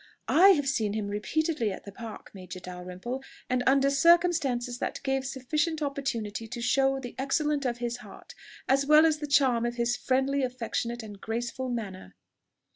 "I have seen him repeatedly at the Park, Major Dalrymple, and under circumstances that gave sufficient opportunity to show the excellence of his heart, as well as the charm of his friendly, affectionate, and graceful manner."